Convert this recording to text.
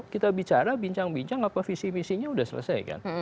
kita bicara bincang bincang apa visi visinya sudah selesai kan